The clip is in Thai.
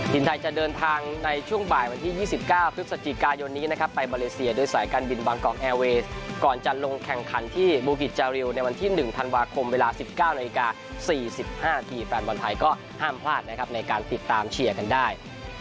ทีมไทยจะเดินทางในช่วงบ่ายวันที่๒๙พฤศจิกายนนี้นะครับไปมาเลเซียโดยสายการบินบางกอกแอร์เวย์ก่อนจะลงแข่งขันที่บูกิจจาริวในวันที่๑ธันวาคมเวลา๑๙นาฬิกา๔๕นาทีแฟนบอลไทยก็ห้ามพลาดนะครับในการติดตามเชียร์กันได้